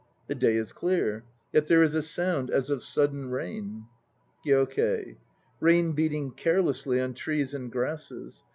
The sky is clear, yet there is a sound as of sudden rain. ... GYOKEI. Rain beating carelessly on trees and grasses.